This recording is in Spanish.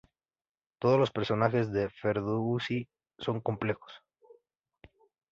Todos los personajes de Ferdousí son complejos.